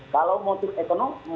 kalau motif ekonomi